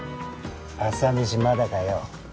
朝飯まだかよ。